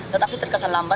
tetapi terkesan lamban